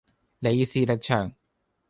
李氏力場